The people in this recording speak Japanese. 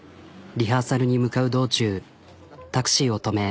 リハーサルに向かう道中タクシーを止め。